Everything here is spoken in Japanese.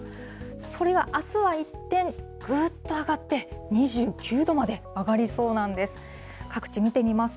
それがあすは一転、ぐっと上がって、２９度まで上がりそうなんです。